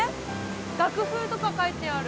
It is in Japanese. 楽譜とか書いてある。